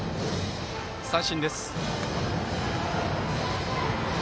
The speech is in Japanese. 三振です。